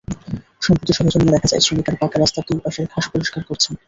সম্প্রতি সরেজমিনে দেখা যায়, শ্রমিকেরা পাকা রাস্তার দুই পাশের ঘাস পরিষ্কার করছেন।